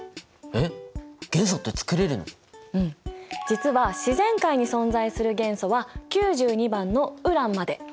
実は自然界に存在する元素は９２番のウランまで。